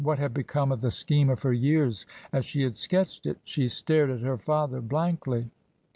What had become of the scheme of her years as she had sketched it ? She stared at her father blankly.